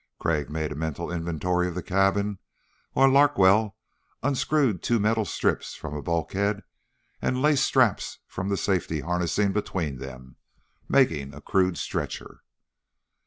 Crag made a mental inventory of the cabin while Larkwell unscrewed two metal strips from a bulkhead and laced straps from the safety harnessing between them, making a crude stretcher.